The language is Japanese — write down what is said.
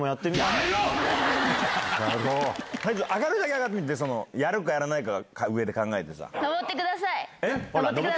上がるだけ上がってみてやるかやらないか上で考えて。